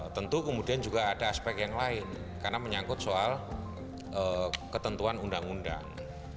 tentu kemudian juga ada aspek yang lain karena menyangkut soal ketentuan undang undang